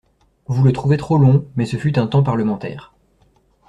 Vous le trouvez trop long mais ce fut un temps parlementaire.